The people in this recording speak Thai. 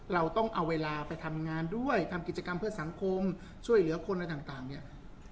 เราต้องเอาเวลาไปทำงานด้วยทำกิจกรรมเพื่อสังคมช่วยเหลือคนอะไรต่างเนี่ย